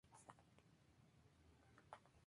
El poder ejecutivo reside en el presidente.